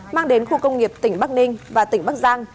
mang đến khu công nghiệp tỉnh bắc ninh và tỉnh bắc giang